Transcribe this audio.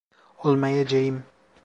Olmayacağım.